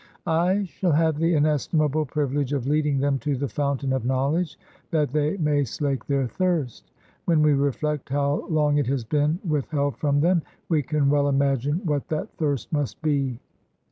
I shall have the inestimable privilege of leading them to the fountain of knowledge, that they may slake their thirst. When we reflect how long it has been withheld from them, we can well imagine what that thirst must be.